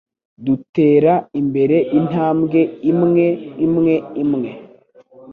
Dutera imbere intambwe imwe imwe imwe.